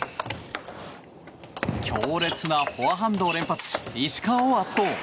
強烈なフォアハンドを連発し石川を圧倒。